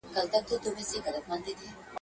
لکه کوچۍ پر ګودر مسته جګه غاړه ونه.